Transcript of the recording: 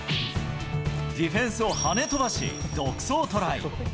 ディフェンスをはね飛ばし、独走トライ。